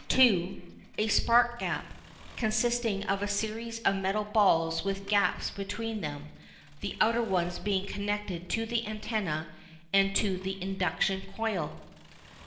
(2) A Spark gap, consisting of a series of metal balls with gaps between them, the outer ones being connected to the antenna and to the induction coil.